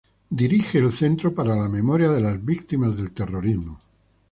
Dirige el Centro para la Memoria de las Víctimas del Terrorismo.